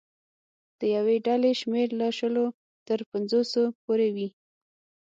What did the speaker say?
د یوې ډلې شمېر له شلو تر پنځوسو پورې وي.